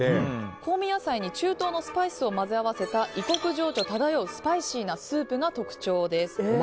香味野菜に中東のスパイスを混ぜ合わせた異国情緒漂うスパイシーなスープが特徴です。